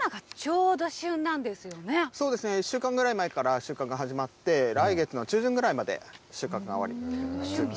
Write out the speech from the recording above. そうですね、１週間ぐらい前から収穫が始まって、来月の中旬ぐらいまで収穫が終わりとなります。